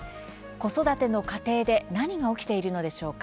子育ての家庭で何が起きているのでしょうか。